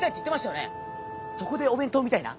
そこでお弁当みたいな？